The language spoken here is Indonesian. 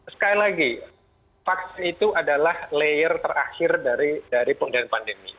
sekali lagi vaksin itu adalah layer terakhir dari penggunaan pandemi